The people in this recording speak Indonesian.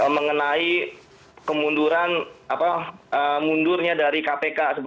mengenai kemunduran mundurnya dari kpk